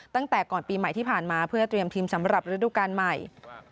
ตั้งแต่ก่อนปีใหม่ที่ผ่านมาเพื่อเตรียมทีมสำหรับฤดูการใหม่